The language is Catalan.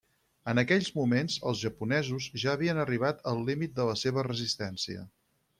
En aquells moments, els japonesos ja havien arribat al límit de la seva resistència.